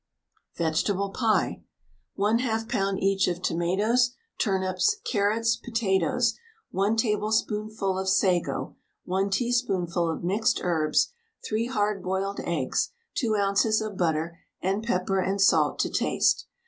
VEGETABLE PIE. 1/2 lb. each of tomatoes, turnips, carrots, potatoes, 1 tablespoonful of sago, 1 teaspoonful of mixed herbs, 3 hard boiled eggs, 2 oz. of butter, and pepper and salt to taste.